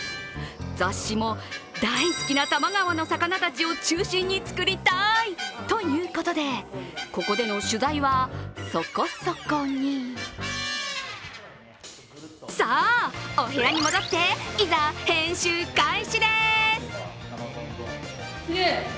雑誌も大好きな多摩川の魚たちを中心に作りたいということでここでの取材はそこそこにさあ、お部屋に戻っていざ、編集開始です。